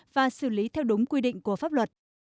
và xử lý theo đúng quy định của pháp luật